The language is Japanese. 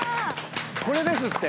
これですって。